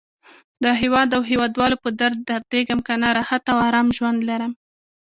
د هیواد او هیواد والو په درد دردېږم. کنه راحته او آرام ژوند لرم.